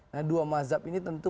nah dua mazhab ini tentu